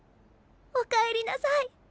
おかえりなさい。